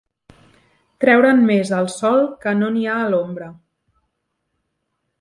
Treure'n més al sol que no n'hi ha a l'ombra.